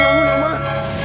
omah kenapa lo bangun omah